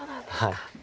はい。